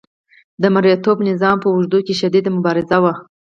د مرئیتوب نظام په اوږدو کې شدیده مبارزه وه.